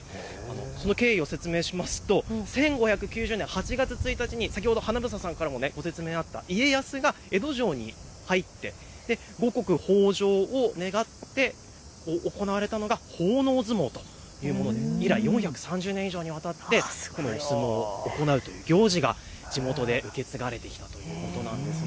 その経緯を説明しますと１５９３年８月１日に家康が江戸城に入って五穀豊じょうを願って行われたのが奉納相撲というもので以来、４３０年以上にわたって相撲を行うという行事が地元で受け継がれているということなんです。